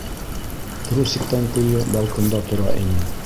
Трусиктан көйө балконда тора ине!